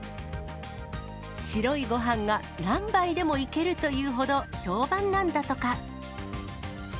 白いごはんが何杯でもいけるというほど評判なんだとか。